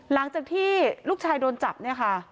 หลังจากที่ลูกชายโดนจับเนี่ยค่ะ